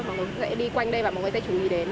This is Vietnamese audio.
mọi người sẽ đi quanh đây và mọi người sẽ chú ý đến